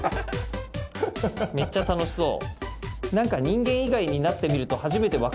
めっちゃ楽しそう。